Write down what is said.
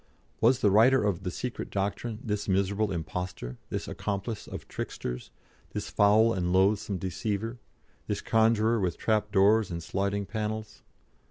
Was the writer of "The Secret Doctrine" this miserable impostor, this accomplice of tricksters, this foul and loathsome deceiver, this conjuror with trap doors and sliding panels?